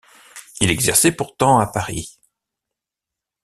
Il exerçait pourtant à Paris.